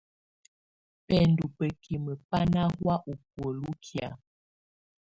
Bɛndɔ̀ bǝ́kimǝ́ bá nà hɔ̀á ù bùóli kɛ̀á.